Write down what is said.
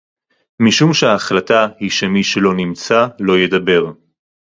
משום שההחלטה היא שמי שלא נמצא לא ידבר